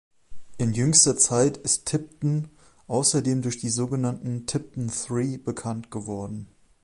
In jüngster Zeit ist Tipton außerdem durch die sogenannten „Tipton Three“ bekannt geworden.